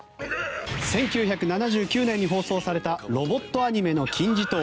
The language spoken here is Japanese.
１９７９年に放送されたロボットアニメの金字塔